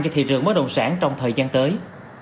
cho thị trường bất động sản trong thời gian tới